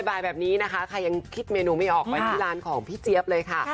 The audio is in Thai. บ่ายแบบนี้นะคะใครยังคิดเมนูไม่ออกไปที่ร้านของพี่เจี๊ยบเลยค่ะ